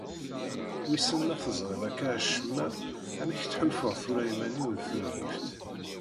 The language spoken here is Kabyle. Wissen ma teẓriḍ akka acemma amek ttḥulfuɣ tura iman-iw d tungift?